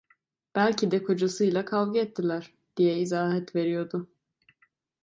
"Belki de kocasıyla kavga ettiler…" diye izahat veriyordu.